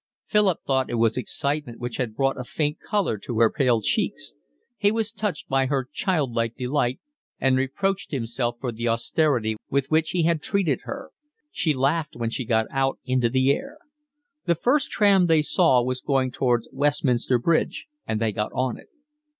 Philip thought it was excitement which had brought a faint colour to her pale cheeks; he was touched by her child like delight, and reproached himself for the austerity with which he had treated her. She laughed when she got out into the air. The first tram they saw was going towards Westminster Bridge and they got on it.